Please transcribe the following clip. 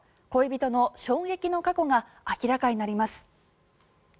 恋人の衝撃の過去が明らかになります。